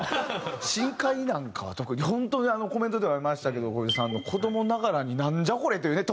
『深海』なんかは特に本当にコメントでもありましたけど小出さんの。子どもながらになんじゃこれ！というね。